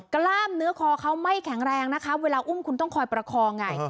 กล้ามเนื้อคอเขาไม่แข็งแรงนะคะเวลาอุ้มคุณต้องคอยประคองไง